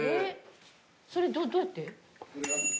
それどうやって？